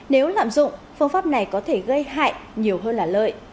nếu lạm dụng phương pháp này có thể gây hại nhiều hơn là lợi